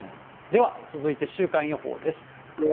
では続いて週間予報です。